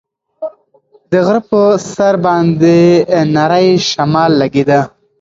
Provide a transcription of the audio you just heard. د غره په سر باندې نری شمال لګېده.